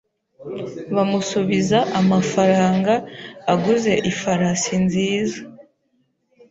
Bamusubiza amafaranga aguze ifarasi nziza